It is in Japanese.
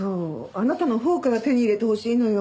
あなたのほうから手に入れてほしいのよ。